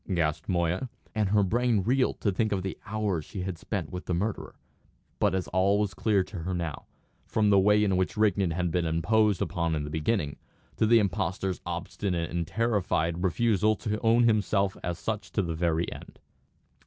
gasped Moya; and her brain reeled to think of the hours she had spent with the murderer. But all was clear to her now, from the way in which Rigden had been imposed upon in the beginning, to the impostor's obstinate and terrified refusal to own himself as such to the very end.